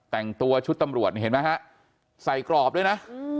แต่งตัวชุดตำรวจนี่เห็นไหมฮะใส่กรอบด้วยนะ